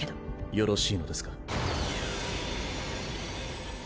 よろしいのですか？